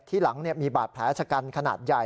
ที่หลังมีบาดแผลชะกันขนาดใหญ่